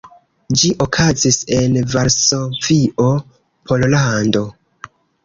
Ĝi okazis en Varsovio, Pollando.